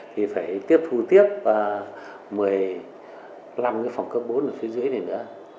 thì phải tiếp thu tiếp một mươi năm cái phòng cấp bốn ở phía dưới này nữa